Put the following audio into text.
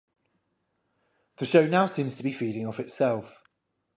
The show now seems to be feeding off itself.